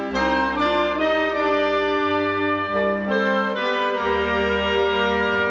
โปรดติดตามต่อไป